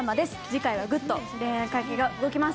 次回はぐっと恋愛関係が動きます。